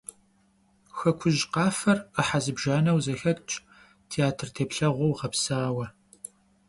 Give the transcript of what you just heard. «Хэкужь къафэр» Ӏыхьэ зыбжанэу зэхэтщ, театр теплъэгъуэу гъэпсауэ.